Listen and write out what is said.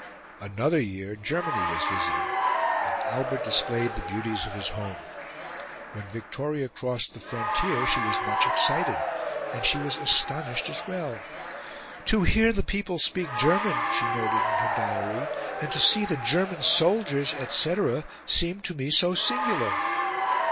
Another year, Germany was visited, and Albert displayed the beauties of his home. When Victoria crossed the frontier, she was much excited and she was astonished as well. "To hear the people speak German," she noted in her diary, "and to see the German soldiers, etc., seemed to me so singular."